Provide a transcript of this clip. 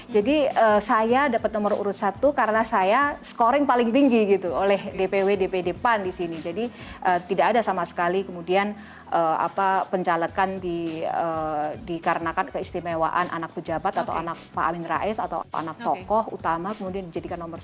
jadi saya dapat nomor urut satu karena saya scoring paling tinggi gitu oleh dpw dpdpan di sini jadi tidak ada sama sekali kemudian apa pencalegan dikarenakan keistimewaan anak pejabat atau anak pak alin rais atau anak tokoh utama kemudian dijadikan nomor satu